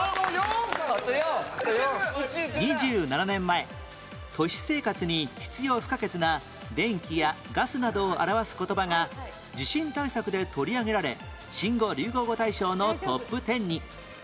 ２７年前都市生活に必要不可欠な電気やガスなどを表す言葉が地震対策で取り上げられ新語・流行語大賞のトップ１０に